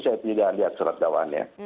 saya tidak lihat syarat dawaannya